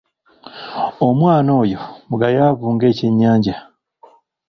Omwana oyo mugayaavu ng'ekyennyanja.